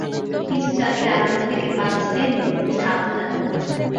কিছু যাত্রী আগুন থেকে বাঁচতে নদীতে ঝাঁপ দেন।